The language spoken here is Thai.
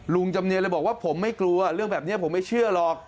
จำเนียนเลยบอกว่าผมไม่กลัวเรื่องแบบนี้ผมไม่เชื่อหรอก